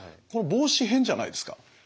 この帽子変じゃないですか？